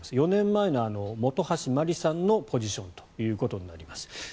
４年前の本橋麻里さんのポジションということになります。